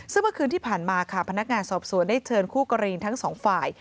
ซึ่งเมื่อคืนที่ผ่านมาค่ะพนักงานสอบสวนได้เชิญคู่กรณีทั้งสองฝ่าย